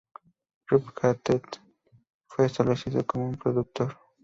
Rob Hackett fue establecido como co-productor.